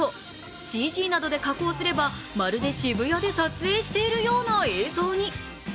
ＣＧなどで加工すれば、まるで渋谷で撮影しているような映像に。